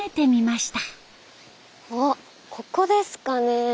おここですかね？